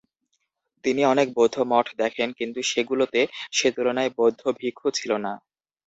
তিনি অনেক বৌদ্ধ মঠ দেখেন কিন্তু সেগুলোতে সে তুলনায় বৌদ্ধ ভিক্ষু ছিল না।